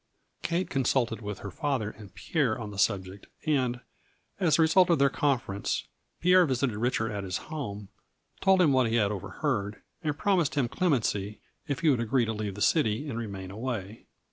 Kate consulted with her father and Pierre on the subject, and, as a result of their conference, Pierre visited Richard at his home, told him what he had overheard, and promised him clemency if he would agree to leave the city ) and remain away.